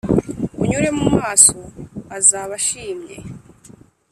Unyure mu maso azaba ashimye.